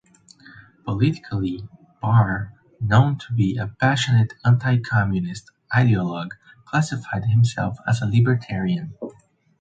Politically, Parr, known to be a passionate anti-communist ideologue, classified himself as a libertarian.